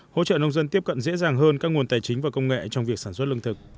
hỗ trợ nông dân tiếp cận dễ dàng hơn các nguồn tài chính và công nghệ trong việc sản xuất lương thực